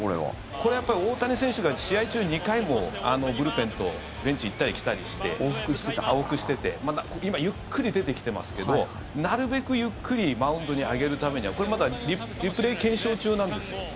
これは大谷選手が試合中に２回もブルペンとベンチ行ったり来たりして往復してて今、ゆっくり出てきてますけどなるべくゆっくりマウンドに上げるためにはこれ、まだリプレー検証中なんです。